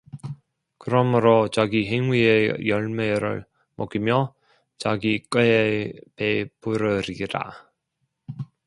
그러므로 자기 행위의 열매를 먹으며 자기 꾀에 배부르리라